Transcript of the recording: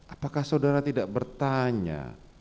apakah saudara tidak bertanya